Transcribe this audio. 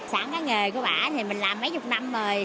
sẵn cái nghề của bạn thì mình làm mấy chục năm rồi